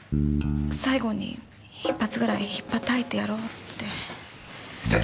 最後に１発ぐらい引っぱたいてやろうって。